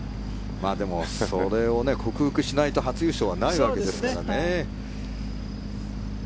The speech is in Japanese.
でも、それを克服しないと初優勝はないわけですからね。